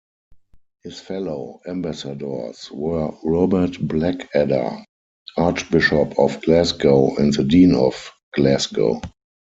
His fellow ambassadors were Robert Blackadder, Archbishop of Glasgow and the Dean of Glasgow.